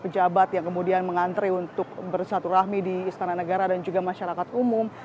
pejabat yang kemudian mengantre untuk bersatu rahmi di istana negara dan juga masyarakat umum